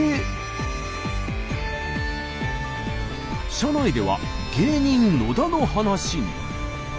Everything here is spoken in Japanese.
車内では芸人野田の話に。